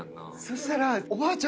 そしたら。